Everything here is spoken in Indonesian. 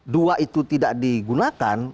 dua itu tidak digunakan